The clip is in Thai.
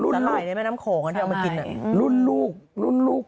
สไหลในแม่น้ำโขงหน่อยลุ่นลูก